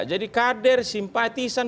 jadi kader simpatisan